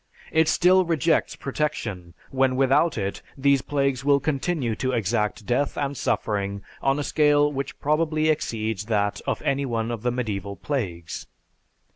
It still rejects protection, when without it these plagues will continue to exact death and suffering on a scale which probably exceeds that of any one of the medieval plagues.